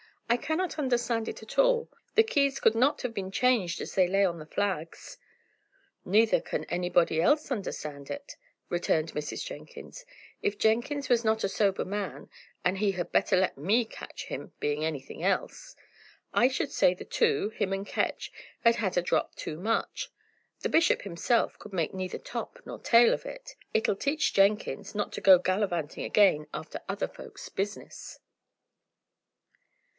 "I cannot understand at all. The keys could not have been changed as they lay on the flags." "Neither can anybody else understand it," returned Mrs. Jenkins. "If Jenkins was not a sober man and he had better let me catch him being anything else! I should say the two, him and Ketch, had had a drop too much. The bishop himself could make neither top nor tail of it. It'll teach Jenkins not to go gallivanting again after other folk's business!"